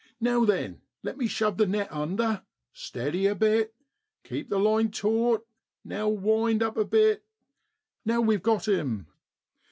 Now then, let me shove the net under; steady a bit keep the line taut, now wind up a bit. Now we've got him